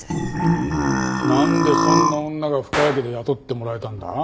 なんでそんな女が深谷家で雇ってもらえたんだ？